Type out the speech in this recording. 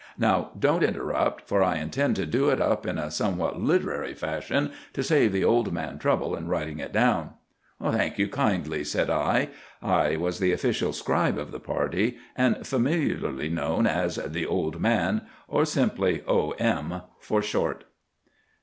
Now don't interrupt, for I intend to do it up in a somewhat literary fashion, to save the Old Man trouble in writing it down." "Thank you kindly," said I. I was the official scribe of the party, and familiarly known as the Old Man, or simply O. M., for short.